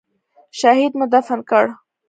شهيد مو دفن کړ.